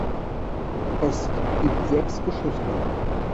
Es gibt sechs Geschichten.